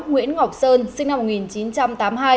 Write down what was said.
nguyễn ngọc sơn sinh năm một nghìn chín trăm tám mươi hai